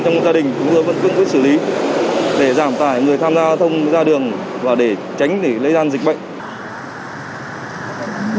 trong gia đình chúng tôi vẫn quyết quyết xử lý để giảm tải người tham gia thông ra đường và để tránh để lây gian dịch bệnh